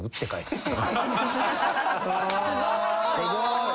すごい。